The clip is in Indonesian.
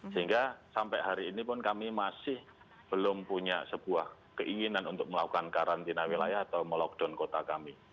sehingga sampai hari ini pun kami masih belum punya sebuah keinginan untuk melakukan karantina wilayah atau melockdown kota kami